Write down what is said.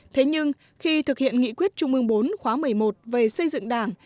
thế nhưng khi thực hiện nghị quyết chung mương bốn khóa một mươi một về xây dựng đảng